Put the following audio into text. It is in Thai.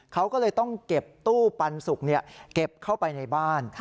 เขาก็เลยต้องเก็บตู้ปันสุกเก็บเข้าไปในบ้าน